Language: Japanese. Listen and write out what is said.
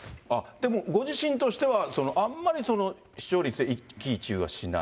でもご自身としては、あんまり視聴率で一喜一憂はしない？